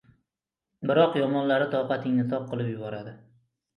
Biroq yomonlari toqatingni toq qilib yuboradi.